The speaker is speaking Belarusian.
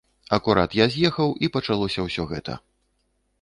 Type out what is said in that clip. Акурат я з'ехаў, і пачалося ўсё гэта.